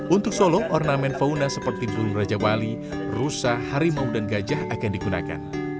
untuk solo ornamen fauna seperti burung raja bali rusa harimau dan gajah akan digunakan